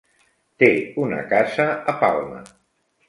Té una casa a Palma.